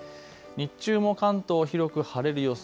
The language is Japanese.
日中も関東、広く晴れる予想。